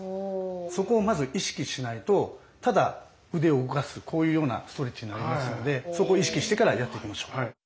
そこをまず意識しないとただ腕を動かすこういうようなストレッチになりますのでそこを意識してからやっていきましょう。